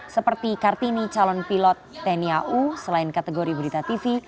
seperti kartini calon pilot tni au selain kategori berita tv